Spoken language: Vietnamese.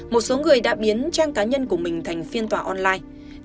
một số người đã biến trang cá nhân của mình thành phiên tòa online